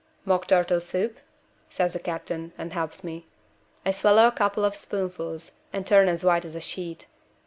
'Mock turtle soup?' says the captain, and helps me. I swallow a couple of spoonfuls, and turn as white as a sheet.